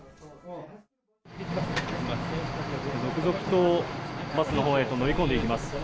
続々とバスのほうへ乗り込んでいきます。